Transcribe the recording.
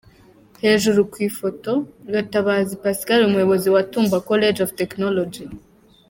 Hejuru ku ifoto:Gatabazi Pascal Umuyobozi wa Tumba college of Technology.